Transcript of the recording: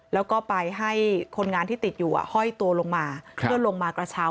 แล้วก็ไปให้คนงานที่ติดอยู่ห้อยตัวลงมาเพื่อลงมากระเช้า